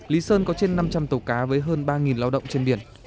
lý sơn có trên năm trăm linh tàu cá với hơn ba lao động trên biển